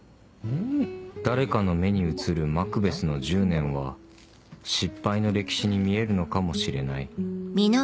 誰かの目に映るマクベスの１０年は失敗の歴史に見えるのかもしれない・